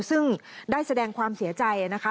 ซึ่งได้แสดงความเสียใจนะคะ